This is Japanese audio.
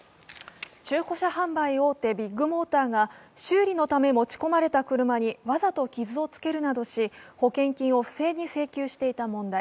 中古車販売大手ビッグモーターが修理のため持ち込まれた車にわざと傷をつけるなどし保険金を不正に請求していた問題。